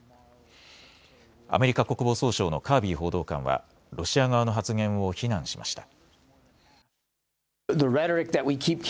アメリカ国防総省のカービー報道官はロシア側の発言を非難しました。